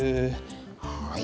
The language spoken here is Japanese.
はい。